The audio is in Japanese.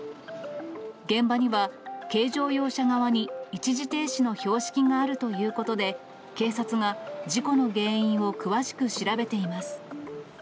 現場には、軽乗用車側に一時停止の標識があるということで、警察が事故の原因を詳しく調べています。